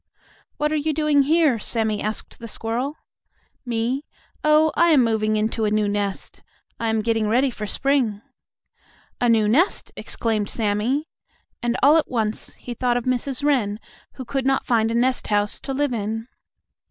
"What are you doing here?" Sammie asked the squirrel. "Me? Oh, I am moving into a new nest. I am getting ready for spring." "A new nest!" exclaimed Sammie, and, all at once, he thought of Mrs. Wren, who could not find a nest house to live in.